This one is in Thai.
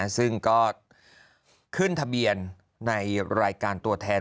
ซึ่งก็ขึ้นทะเบียนในรายการตัวแทน